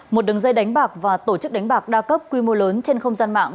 một đường dây đánh bạc và tổ chức đánh bạc đa cấp quy mô lớn trên không gian mạng